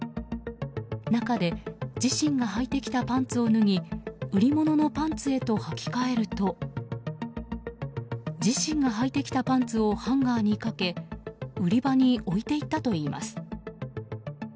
中で自身がはいてきたパンツを脱ぎ売り物のパンツへとはき替えると自身がはいてきたパンツをハンガーにかけ売り場に置いていったといいます。